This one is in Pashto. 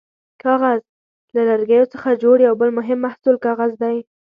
کاغذ: له لرګیو څخه جوړ یو بل مهم محصول کاغذ دی.